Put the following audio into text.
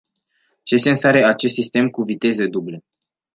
Ce sens are acest sistem cu viteze duble?